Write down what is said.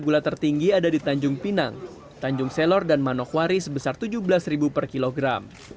gula tertinggi ada di tanjung pinang tanjung selor dan manokwari sebesar rp tujuh belas per kilogram